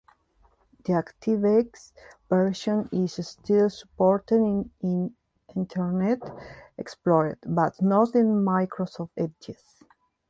The ActiveX version is still supported in Internet Explorer, but not in Microsoft Edge.